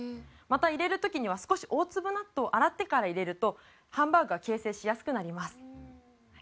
また入れる時には少し大粒納豆を洗ってから入れるとハンバーグが形成しやすくなります。